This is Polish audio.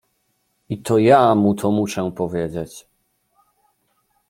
I to ja mu to muszę powiedzieć.